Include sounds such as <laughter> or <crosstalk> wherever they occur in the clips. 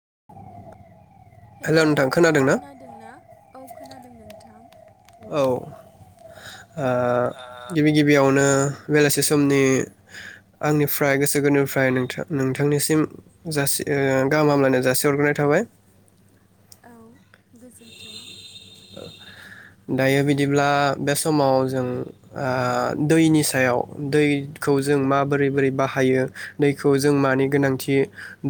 <inaudible> Hello नोंथां नोंथाङा ना खोनादों ना? औ खोनादों नोंथां। औ। ओ गिबि गिबियावनो बेलासि समनि आंनिफ्राय गोसो गोनोनिफ्राय नोंथां नोंथांनिसिम जासि ओ गाहाम हामलायनाय जासिहरग्रोनाय थाबाय। औ गोजोन्थों। दायो बिदिब्ला बे समाव जों ओ दैनि सायाव दैखौ जों माबोरै बोरै बाहायो दैखौ जों मानि गोनांथि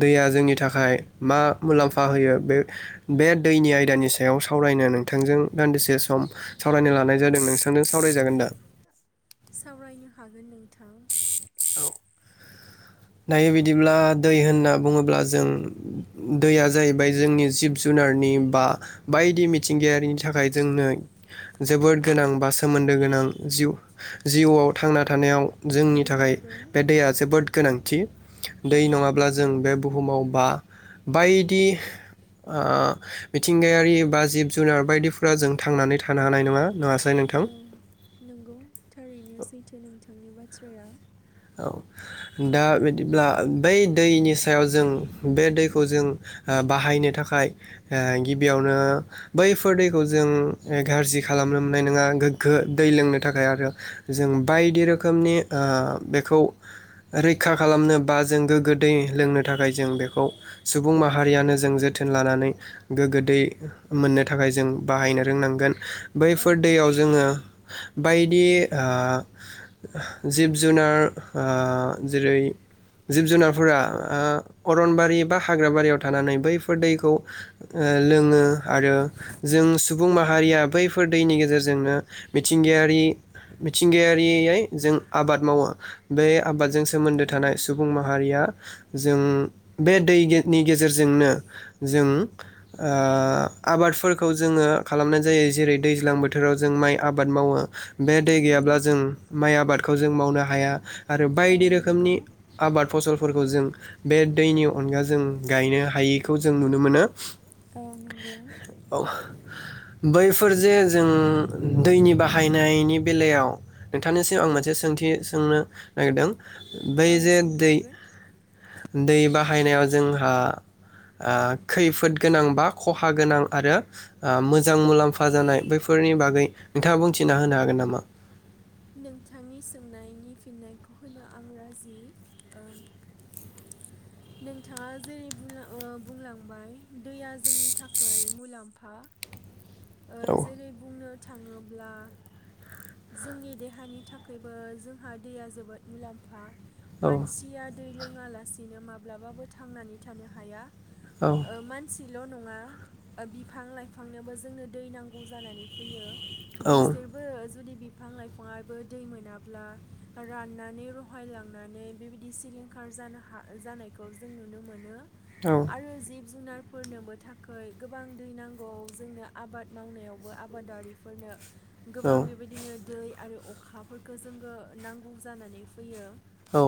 दैया जोंनि थाखाय मा मुलाम्फा होयो बे-बे दैनि आयदानि सायाव सावरायनो नों थांजों दान्दिसे सम सावरायनो लानाय जादों नोंथांजों सावरायजागोन दा? थां। दायो बिदिब्ला दै होनना बुङोब्ला जों दैया जाहैबाय जोंनि जिब जुनारनि बा बायदि मिथिंगायारिनि थाखाय जोंनो जोबोद गोनां बा सोमोन्दो गोनां जिउ जिउआव थांना थानायाव जोंनि थाखाय बे दैया जोबोद गोनां। <unintelligible> दै नङाब्ला जों बे बुहुमाव बा बायदि ओ मिथिंगायारि बा जिब जुनार बायदिफोरा जों थांनानै थानो हानाय नङा। नङासै औ नोंथां नंगौ थारैनो सैथो नोंथांनि बाथ थ्राया। औ दा बिदिब्ला बै दैनि सायाव जों बे दैखौ जों ओ बाहायनो थाखाय ओ गिबियावनो बैफोर दैखौ जों गाज्रि खालामनो मोननाय नङा गोग्गो दै लोंनो थाखाय आरो जों बायदि रोखोमनि ओ बेखौ रैखा खालामनो बा जों गोग्गो दै लोंनो थाखाय जों बेखौ सुबुं माहारियानो जों जोथोन लानानै गोग्गो दै मोननो थाखाय जों बाहायनो रोंनांगोन औ बैफोर दैयाव जोङो बायदि ओ जिब जुनार ओ जेरै जिब जुनार फोरा ओ अरनबारि बा हाग्राबारियाव थानानै बैफोर दैखौ ओ लोङो आरो जों सुबुं माहारिया बैफोर दैनि गेजेरजोंनो मिथिंगायारि मिथिंगायारियै जों आबाद मावो बे आबादजों सोमोन्दो थानाय सुबुं माहारिया जों बे दैनि गेजेरजोंनो जों ओ आबादफोरखौ जोङो खालामनाय जायो जेरै दैज्लां बोथोराव जों माइ आबाद मावो बे दै गैयाब्ला जों माइ आबादखौ जों मावनो हाया। आरो औ बायदि रोखोमनि आबाद फसलफोरखौ जों बे दैनि अनगा जों गायनो हायिखौ जों नुनो मोनो औ नंगौ औ। बैफोर जे जों दैनि बाहायनायनि बेलायाव नोंथांनिसिम आं मोनसे दि सोंनो नागिरदों बै जे औ दै दै बाहाय <unintelligible> जोंहा ओ खैफोद गोनां बा खहा गोनां आरो ओ मोजां मुलाम्फा जानाय बैफोरनि बागै नोंथाङा बुंथिना होनो हागोन नामा? नोंथांनि सोंनायनि फिननायखौ होनो आं राजि ओ नोंथाङा जेरै बुलां ओ बुंलांबाय दैया जोंनि थाखै मुलाम्फा। ओ औ जेरै बुंनो थाङोब्ला जोंनि देहानि थाखायबो जोंहा दैया जोबोद मुलाम्फा औ मानसिया दै लों ङालासिनो माब्लाबाबो थांनानै थानो हाया। औ ओ मानसि बिल' नङा बिफां लाइफांनोबो जोंनो दै नांगौ जानानै फैयो। औ बिसोरबो जुदि बिफां लाइफाङाबो दै मोनाब्ला राननानै रहायलांनानै बेबायदि सिलिंखार जानो हा जानायखौ जों नुनो मोनो। आरो जिब जुनार फोरनोबो थाखाय गोबां दै नांगौ जोंनो आबाद मावनायावबो आबादारिफोरनो औ गोबां बेदिनो दै आरो अखाफोरफोरखौ जोंङो नांगौ जानानै फैयो। औ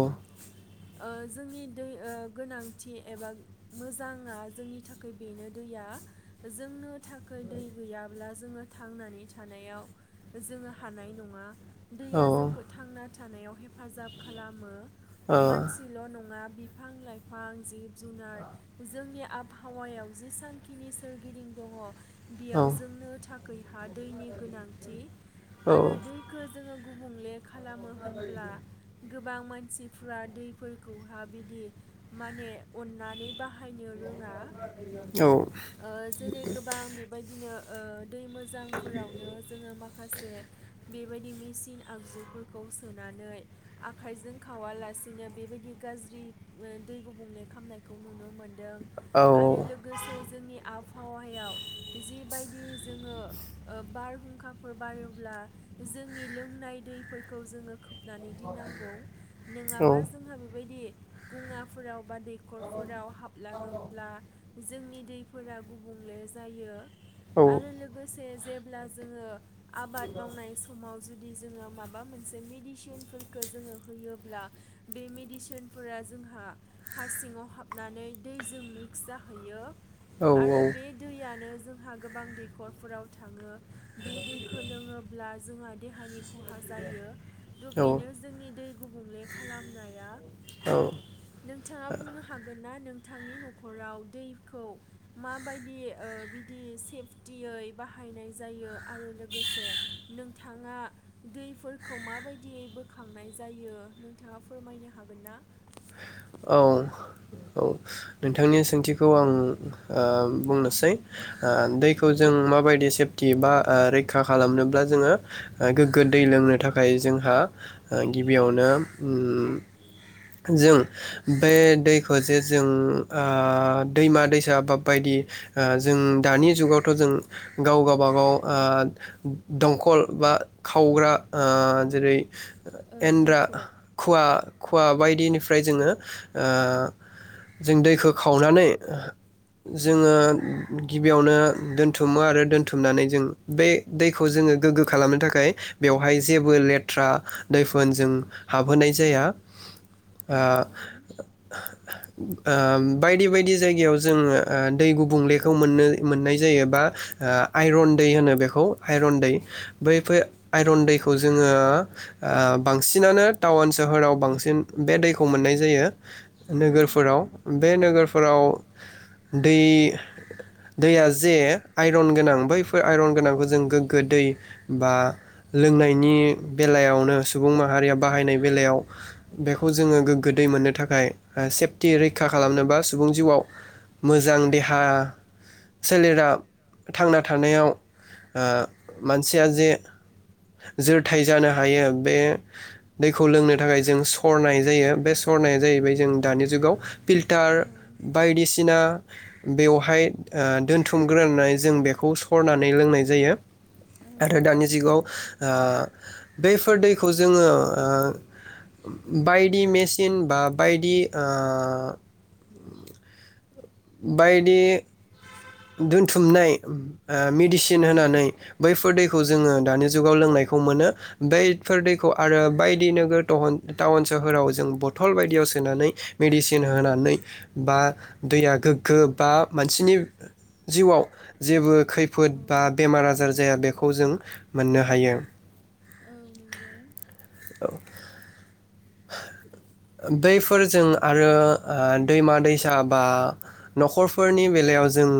ओ जोंनि दै ओ गोनांथि एबा मोजाङा जोंनि थाखाय बेनो दैया जोंनो थाखाय दै गैयाब्ला जोंङो थांनानै थानायाव जोंङो हानाय नङा औ दैया जोंखौ थांना था थानायाव हेफाजाब खालामो। मानसिल' नङा बिफां लाइफां जिब जुनार जोंनि आबहावायाव जेसांखिनि सोरगिदिं दङ। बेयाव औ जोंनो थां जोंहा दैनि गोनांथि आरो दैखौ जोंङो गुबुंले खालामो होनब्ला गोबां मानसिफ्रा दैफोरखौहा बिदि माने अननानै बाहायनो रोङा। ओ जेरै- गोबां बेबायदिनो ओ दै मोजांफोरावनो जोंङो मा माखासे बेबायदि मेचन आगजुफोरखौ सोनानै आखाइजों खावालासिनो बेबायदि गाज्रि दै गुबुंले खामनायखौ नुनो मोन दों आरो लोगोसे जोंनि आब हावायाव जिबायदि जोंङो ओ बारहुंखा फोर बारोब्ला जोंनि लोंनाय दैफोरखौ जोंङो खोब नानै दोननांगौ नोंङाबा जोंहा बेबायदि गुङाफोराव बा दैखरफोराव हाबलाङोब्ला जोंनि दैफोरा गुबुंले जायो। आरो लोगोसे जेब्ला जोङो आबाद मावनाय समाव जुदि जोङो माबा मोनसे मेडिसिनफोरखौ जोङो होयोब्ला बे मेडसिनफोरा जोंहा हा सिङाव हाबनानै दैजों मिक्स जाहैयो। आरो बे दैयानो जोंहा गोबां दैखरफोराव थाङो। बे दै खो लोङोब्ला जोंहा देहानि खहा जायो दु बेनो जोंनि दै गुबुंले खालामनाया औ नोंथाङा बुंनो हागोनना नों थांनि न'खराव दैखौ माबायदि ओ बिदि सेफटियै बाहायनाय जायो आरो लोगो से नोंथाङा दैफोरखौ माबायदियै बोखांनाय जायो नोंथाङा फोरमायनो हागोन ना? औ औ नोंथांनि सोंथिखौ आं ओ बुंनोसै ओ दैखौ जों माबायदि सेफटि बा ओ रैखा खालामनोब्ला जोङो ओ गोग्गो दै लोंनो थाखाय जोंहा ओ गिबियावनो उम जों बे दैखौ जे जों ओ दैमा दैसा बा बायदि ओ जों दानि जुगावथ' जों गाव गबागाव ओ दंखल बा खावग्रा ओ जेरै ओ दै एन्द्रा खुवा खुवा बायदिनि फ्राय जोङो ओ जों दैखौ खावनानै जोङो गिबियावनो दोनथुमो आरो दोनथुमनानै जों बे दैखौ जोङो गोग्गो खालामनो थाखाय बेवहाय जेबो लेथ्रा दैफोन जों हाबहोनाय जाया। औ ओ ओम। बायदि बायदि जायगायाव जोङो ओ दै गुबुंलेखौ मोननो मोननाय जायोबा ओ आइरन दै होनो बेखौ आइरन दै बैफोर आइरन दैखौ जोङो ओ बांसिनानो टाउन सोहोराव बांसिन बे दैखौ मोननाय जायो औ नोगोरफोराव बे नोगो फोराव दै दैया जे आइरन गोनां बैफोर आइरन गोनांखौ जों गोग्गो दै बा लोंनायनि बेलायावनो सुबुं माहारिया बाहायनाय बेलायाव जोङो गोग्गो दै मोननो थाखाय सेफटि रैखा खालामनोबा सुबुं जिउआव मोजां देहा सोलेरा थांना थानायाव ओ मानसिया जे जोरथाय जानो हायो बे दैखौ लोंनो थाखाय जों सरनाय जायो। बे सरनाया जाहैबाय जों दानि जुगाव फिल्टार बायदिसिना बेवहाय ओ दोनथुमग्रोनानै जों बेखौ फरनानै लोंनाय जायो आरो दानि जिगाव ओ बेफोर दैखौ जोङो ओ बायदि मेसिन बा बायदि ओ बायदि दोनथुमनाय मेडिसिन होनानै बैफोर दैखौ जोङो दानि जुगाव लोंनायखौ मोनो बैफोर दैखौ आरो बायदि नोगोर टाउन सोहोराव जों बथल बायदियाव सोनानै मेडिसिन होनानै बा दैया गोग्गो बा मानसिनि जिउआव जेबो खैफोद बा बेमार आजार जाया बेखौ जों मोननो हायो औ नंगौ औ दै फोर जों आरो दैमा दैसा बा न'खरफोरनि बेलायाव जों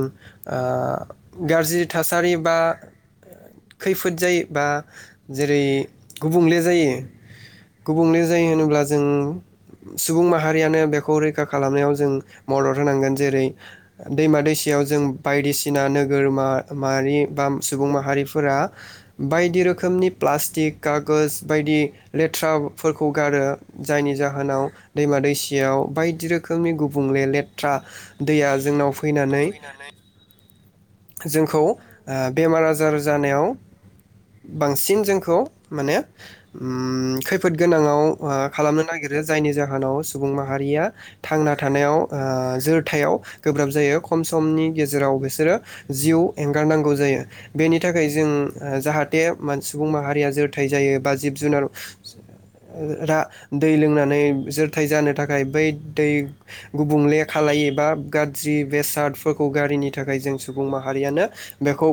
गाज्रि थासारि बा खैफोद जायो बा जेरै गुबुंले जायो गुबुंले होनोब्ला जों सुबुं माहारि माहारियानो बेखौ रैखा खालामनायाव जों मदद होनांगोन जेरै दैमा दैसायाव जों बायदिसिना नोगोर माहारि बा सुबुं माहारिफोरा बायदि रोखोमनि प्लास्टिक कागज बायदि लेथ्राफोरखौ गारो जायनि जाहोनाव दैमा दैसा दैसायाव बायदि रोखोमनि गुबुंले लेथ्रा दैया जोंनाव फैनानै जोंखौ बेमार आजार जानायाव बांसिन जोंखौ माने औ खैफोद गोनाङाव खालामनो नागिरो जायनि जाहोनाव सुबुं माहारिया थांना थानायाव जोरथायाव गोब्राब जायो खम समनि गेजेराव बिसोरो जि जिउ एंगारनांगौ जायो बेनि थाखाय जों जाहाथे सुबुं माहारिया जोरथाय जायो बा जिब जुनार दै लोंनानै जोरथाय जानो थाखाय बै दै गुबुंले खालायबा गाज्रि बेसादफोरखौ गारिनि थाखाय जों सुबुं माहारिया बेखौ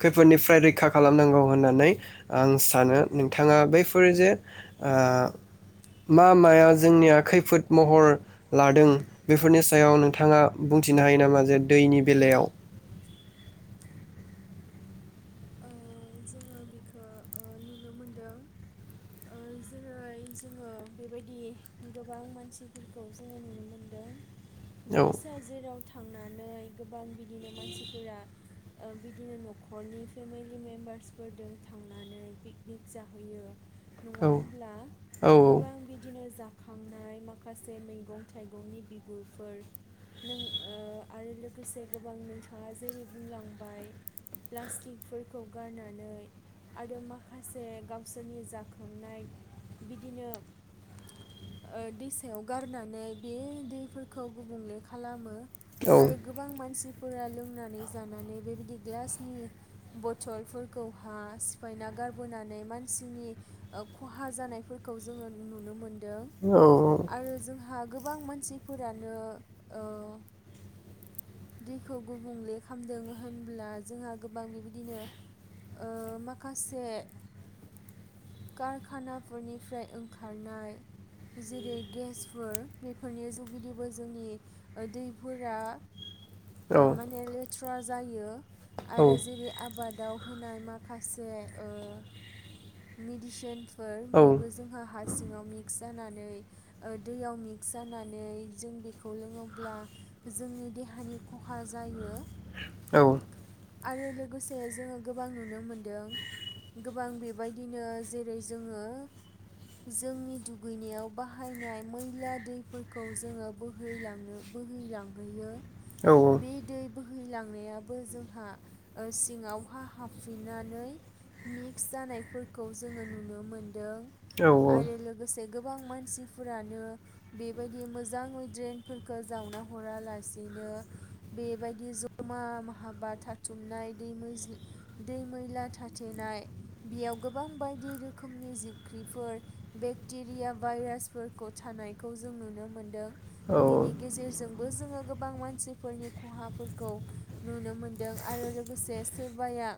खैफोदनिफ्राय रैखा खालामनांगौ होननानै आं सानो नोंथाङा बैफोर जे मा माया जोंनिया खैफोद महर लादों बेफोरनि सायाव नोंथाङा बुंथिनो हायो नामा जे दैनि बेलायाव जोङो बेखौ नुनो मोनदों जेरै जोङो बेबायदि गोबां मानसिफोरखौ जोङो नुनो मोनदों औ दैसा जेराव थांनानै गोबां बिदिनो मानसिफोरा बिदिनो न'खरनि फेमिलि मेम्बार्सफोरजों थांनानै पिकनिक जाहैयो नङा औ होनब्ला औ गोबां बिदिनो जाफै खांनाय माखासे मैगं थाइगंनि बिगुरफोर नों आरो लोगोसे गोबां नोंथाङा जेरै बुंलांबाय प्लास्टिक फोरखौ गारनानै आरो माखासे गावसोरनि जाखांनाय बिदिनो दैसायाव गारनानै बे दैफोरखौ गुबुंले खालामो औ आरो गोबां मानसि फोर लोंनानै जानानै बेबायदि ग्लासनि बथलफोरखौहा सिफायना गारबोनानै मानसिनि खहा जानायफोरखौ जोङो नुनो मोनो औ आरो जोंहा गोबां मानसिफोरानो दैखौ गुबुंले खालामदों होनब्ला जोंहा गोबां बेबायदिनो माखासे कारखानाफोरनिफ्राय ओंखारनाय जेरै गेसफोर बेफोरनि जगिदिबो जोंनि दैफोरा औ माने लेथ्रा लेथ्रा जायो आरो जेरै आबादाव होनाय माखासे ओ मेडिसिन फोर औ बेबो जोंहा हा सिङाव मिक्स जानानै ओ दैयाव मिक्स जानानै जों बेखौ लोङोब्ला जोंनि देहानि खहा जायो। औ। आरो लोगोसे जोङो गोबां नुनो मोनदों गोबां बे बेबायदिनो जेरै जोङो जोंनि दुगैनायाव बाहायनाय मैला दैफोरखौ जोङो बोहैलांनो बोहैलांहोयो। औ बेे दै बोह बैहैलांनायाबो जोंहा ओ सिङावहा हाबफिननानै मिक्स जानाय फोरखौ जोङो नुनो मोन दों औ आरो लोगोसे गोबां मानसिफोरानो बेबायदि मोजाङै ड्रेनफोरखो जावना हरालासिनो बेबायदि जमा हाबा थाथुमनाय दै मैज दै मैला थाथेनाय बेयाव गोबां बायदि रोखोमनि जिबख्रिफोर बेक्टेरिया भाइरासफोरखौ थानायखौ जों नुनो मोनदों। औ औ बेनि गेजेरजोंबो जोङो गोबां मानसिफोरनि खहाफोरखौ नुनो मोनदों आरो लोगोसे सोरबाया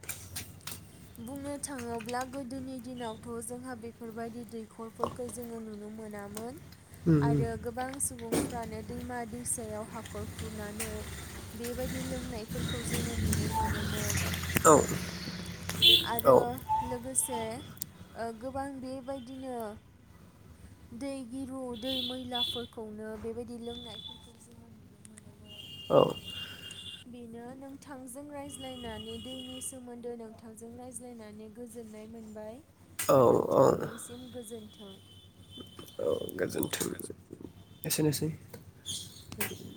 बुंनो थाङोब्ला गोदोनि दिनावथ' जोंहा बेफोरबायदि दै खरफोरखौ जोङो नुनो नुनो मोनामोन। औ आरो गोबां सुबुंफ्रानो दैमा दै फिसायाव हाखर खुरनानै बेबायदि लोंनायफोरखौ जोङो नुनो मोनोमोन। <inaudible> औ आरो लोगोसे से ओ गोबां बेबायदिनो दै गिरु दै मैलाफोरखौनो बेबायदि लोंनायफोरखौ जोङो नुनो मोनोमोन। औ। बेनो नोंथांजों रायज्लायनानै दैनि सोमोन्दो नोंथांजों रायज्लायनानै गोजोननाय मोनबाय। औ नोंथांनिसिम गोजोन्थ <unintelligible> औ गोजोन्थों <inaudible> एसेनोसै <inaudible>